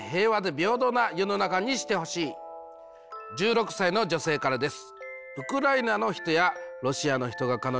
１６歳の女性からです。